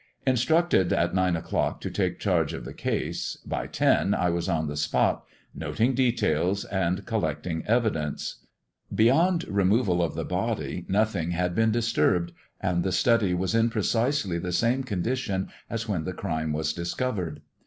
Instructed at nine o'clock to take charge of the caae, ly ten I was on the spot noting details and collecting evidence. Beyond removal of the body nothing had been diiBturbed, and the study was in precisely the same con dition as when tlie crime was discovered.